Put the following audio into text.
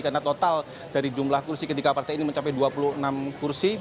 karena total dari jumlah kursi ketiga partai ini mencapai dua puluh enam kursi